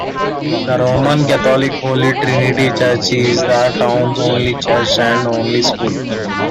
The Roman Catholic Holy Trinity Church is the town's only church and only school.